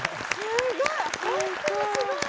すごい！